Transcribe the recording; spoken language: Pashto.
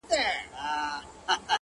یوه ږغ کړه چي ګوربت ظالم مرغه دی.!